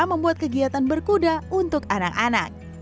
membuat kegiatan berkuda untuk anak anak